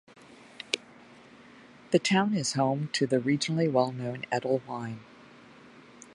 The town is home to the regionally well-known Edel Wine.